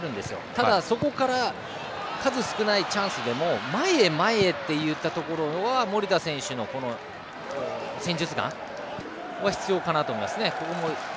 ただ、そこから数少ないチャンスでも前へ、前へといったところは守田選手の戦術眼は必要かなと思いますね。